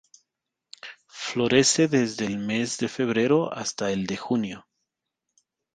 Florece desde el mes de febrero hasta el de junio.